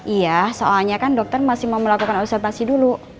iya soalnya kan dokter masih mau melakukan observasi dulu